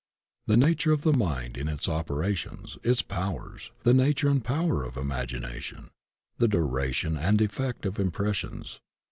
The nature of the mind, its operation, its powers; the nature and power of imagination; the duration and effect of impressions.